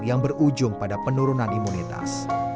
yang berujung ke kematian